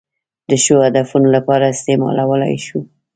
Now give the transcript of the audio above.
د ښو هدفونو لپاره استعمالولای شو.